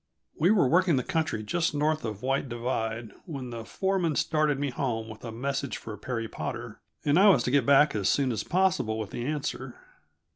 We were working the country just north of White Divide, when the foreman started me home with a message for Perry Potter and I was to get back as soon as possible with the answer.